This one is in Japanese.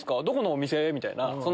どこのお店？みたいな。